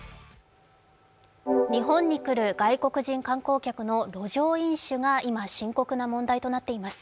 日本に来る外国人観光客の路上飲酒が今、深刻な問題となっています。